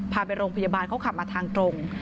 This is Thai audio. พาไปโรงพยาบาลเขาขับมาทางตรง